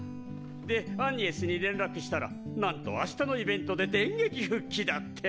でアニエスに連絡したらなんと明日のイベントで電撃復帰だって。